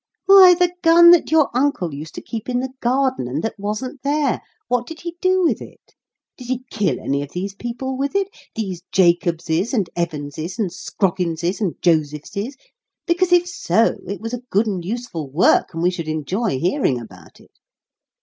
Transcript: "Why, the gun that your uncle used to keep in the garden, and that wasn't there. What did he do with it? Did he kill any of these people with it these Jacobses and Evanses and Scrogginses and Josephses? Because, if so, it was a good and useful work, and we should enjoy hearing about it."